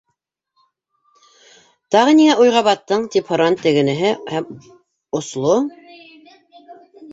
—Тағы ниңә уйға баттың? —тип һораны тегенеһе һәм осло